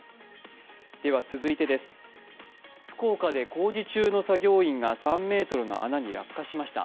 続いてです、福岡で工事中の作業員が３ｍの穴に落下しました。